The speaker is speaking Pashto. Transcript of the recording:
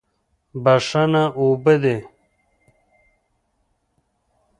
بښنه اوبه دي.